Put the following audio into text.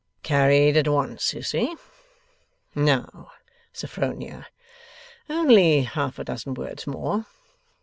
'Carried at once, you see! Now, Sophronia, only half a dozen words more.